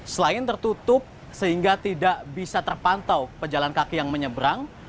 selain tertutup sehingga tidak bisa terpantau pejalan kaki yang menyeberang